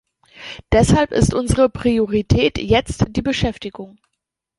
Deshalb ist unsere Priorität jetzt die Beschäftigung.